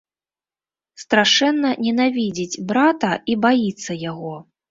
Страшэнна ненавідзіць брата і баіцца яго.